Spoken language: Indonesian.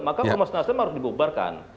maka omos nasdem harus dibubarkan